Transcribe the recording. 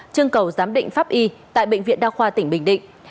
chương cầu giám định pháp y tại bệnh viện đa khoa tỉnh bình định